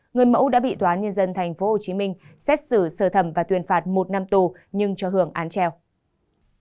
người mẫu đã bị tòa án nhân dân tp hcm xét xử sơ thẩm và tuyên phạt một năm tù nhưng cho hưởng án treo